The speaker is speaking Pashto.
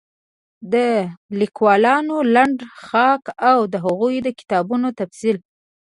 د ليکوالانو لنډه خاکه او د هغوی د کتابونو تفصيل